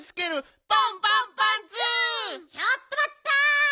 ちょっとまった！